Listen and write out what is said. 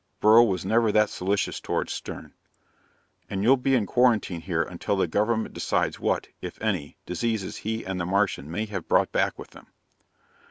Beryl was never that solicitous toward Stern. "And you'll be in quarantine here until the government decides what, if any, diseases he and the Martian may have brought back with them."